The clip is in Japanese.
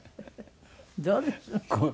どうです？